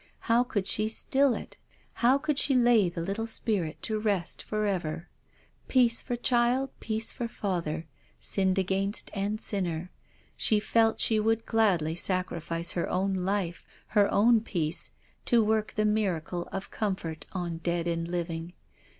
How could she still it ? How could she lay the little spirit to rest forever? Peace for child, peace for father, sinned against and sinner — she felt she would gladly sacrifice her own life, her own peace, to work the miracle of comfort on dead and living.